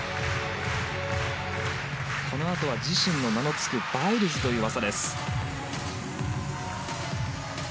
このあと自身の名の付くバイルズという技。